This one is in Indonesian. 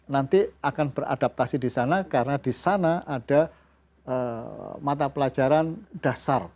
nanti akan beradaptasi di sana karena di sana ada mata pelajaran dasar